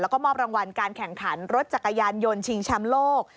แล้วก็มอบรางวัลการแข่งขันรถจักรยานยนต์ชิงแชมป์โลก